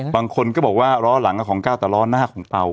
บางคนก็บอกว่าล้อหลังของก้าวแต่ล้อหน้าของเตา